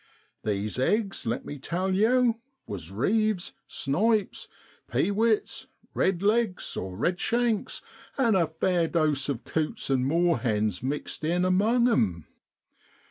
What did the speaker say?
These eggs, let me tell yow was reeves', snipes', pewits', redlegs' (redshanks), and a fair dose of coots' an' moor hens' mixed in among 'em.